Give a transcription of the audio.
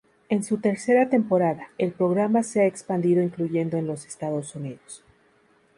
En su tercera temporada, el programa se ha expandido incluyendo en los Estados Unidos.